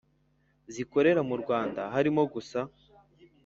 zikorera mu Rwanda harimo gusa